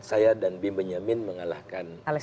saya dan bim benyamin mengalahkan